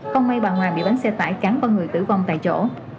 con may bà hòa bị bắn xe tải cắn con người tử vong tại chỗ